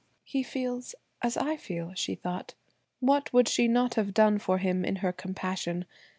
"He feels as I feel," she thought. What would she not have done for him in her compassion!